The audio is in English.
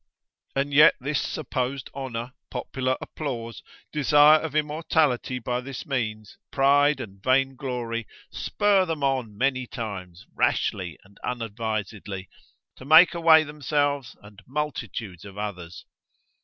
And yet this supposed honour, popular applause, desire of immortality by this means, pride and vainglory spur them on many times rashly and unadvisedly, to make away themselves and multitudes of others.